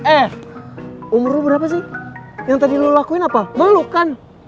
eh umur lo berapa sih yang tadi lo lakuin apa malukan